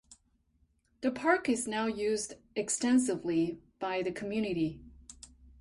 The park is now used extensively by the community.